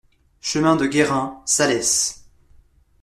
Chemin de Guérin, Salles